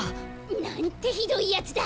なんてひどいやつだ。